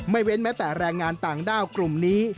เว้นแม้แต่แรงงานต่างด้าวกลุ่มนี้